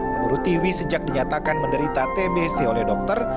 menurut tiwi sejak dinyatakan menderita tbc oleh dokter